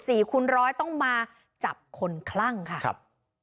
คูณร้อยต้องมาจับคนคลั่งค่ะครับ